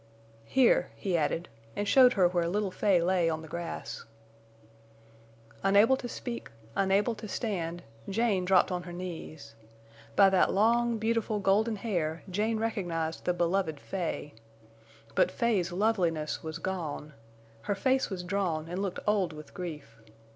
"Here," he added, and showed her where little Fay lay on the grass. Unable to speak, unable to stand, Jane dropped on her knees. By that long, beautiful golden hair Jane recognized the beloved Fay. But Fay's loveliness was gone. Her face was drawn and looked old with grief.